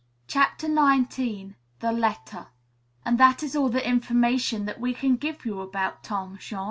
CHAPTER XIX THE LETTER "And that is all the information that we can give you about Tom, Jean."